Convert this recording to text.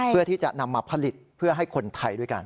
เพื่อที่จะนำมาผลิตเพื่อให้คนไทยด้วยกัน